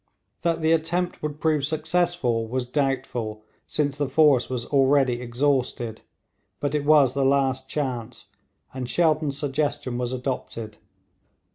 That the attempt would prove successful was doubtful, since the force was already exhausted; but it was the last chance, and Shelton's suggestion was adopted.